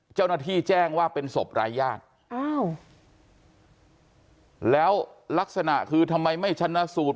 เจ้าหน้าที่แจ้งว่าเป็นศพรายญาติอ้าวแล้วลักษณะคือทำไมไม่ชนะสูตร